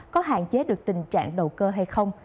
có hạn chế được tình trạng đầu cơ hay không